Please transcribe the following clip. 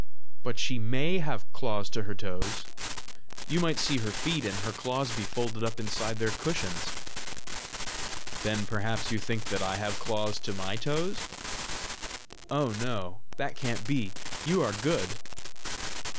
"But she MAY have claws to her toes! You might see her feet, and her claws be folded up inside their cushions!" "Then perhaps you think that I have claws to my toes?" "Oh, no; that can't be! you are good!"